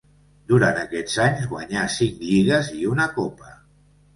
Durant aquests anys guanyà cinc lligues i una copa.